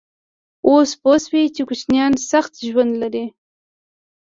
_اوس پوه شوې چې کوچيان سخت ژوند لري؟